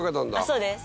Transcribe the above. そうです。